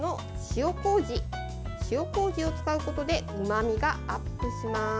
塩こうじを使うことでうまみがアップします。